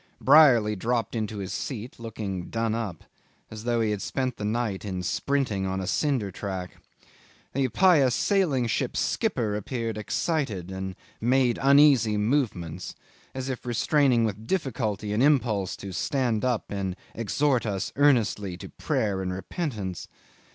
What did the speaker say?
Brierly dropped into his seat looking done up, as though he had spent the night in sprinting on a cinder track. The pious sailing ship skipper appeared excited and made uneasy movements, as if restraining with difficulty an impulse to stand up and exhort us earnestly to prayer and repentance.